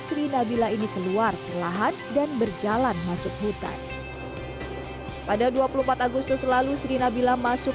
sri nabila ini keluar perlahan dan berjalan masuk hutan pada dua puluh empat agustus lalu sri nabila masuk